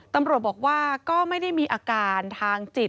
ตำรวจบอกว่าก็ไม่ได้มีอาการทางจิต